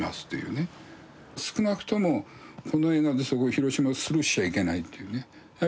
少なくともこの映画ですごい広島スルーしちゃいけないというね。